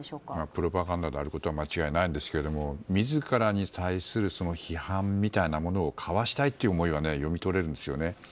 プロパガンダであることは間違いないですが自らに対する批判みたいなものをかわしたいという思いは読み取れるんですよね。